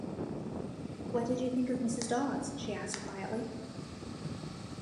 “What did you think of Mrs. Dawes?” she asked quietly.